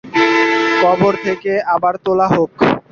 কবর থেকে আবার তোলা হোক।